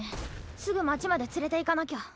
すぐ町まで連れていかなきゃ。